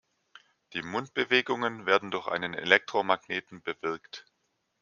Die Mundbewegungen werden durch einen Elektromagneten bewirkt.